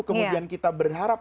kemudian kita berharap